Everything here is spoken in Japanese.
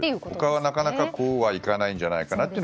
他は、なかなかこうはいかないんじゃないかな。